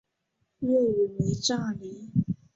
粤语为炸厘。